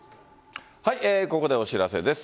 ここでお知らせです。